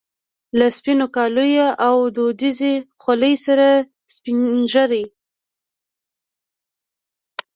له سپینو کاليو او دودیزې خولۍ سره سپینږیری.